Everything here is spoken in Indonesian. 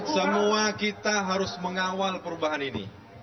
semua kita harus mengawal perubahan ini